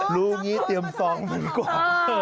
รูงี้เตรียมซองมันกว่า